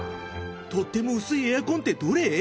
とっても薄いエアコンってどれ？